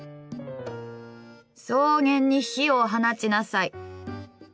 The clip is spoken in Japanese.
「草原に火を放ちなさい。」